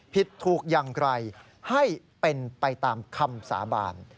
ผิดถูกอย่างไรให้เป็นไปตามคำสาบาน